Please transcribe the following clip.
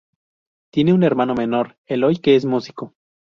Tiene un hermano menor, Eloy, que es músico.